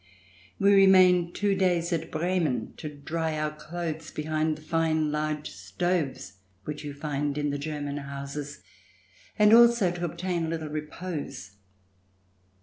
We remained two days at Bremen to dry our clothes behind the fine large stoves which you find in the German houses, and also to obtain a little repose.